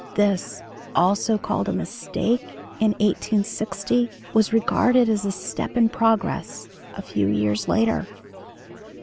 This, also called a "mistake" in 1860, was regarded as a "step in progress" a few years later.